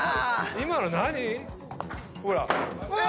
今の何？